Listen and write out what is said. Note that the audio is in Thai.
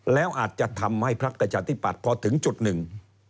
แล้วอาจจะทำให้ภักดิ์ประชาชนธิปัตฯพอถึงจุดนึง